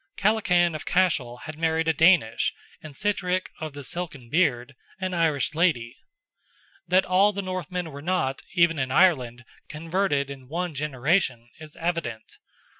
Kellachan of Cashel had married a Danish, and Sitrick "of the Silken beard," an Irish lady. That all the Northmen were not, even in Ireland, converted in one generation, is evident.